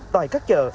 tại các chợ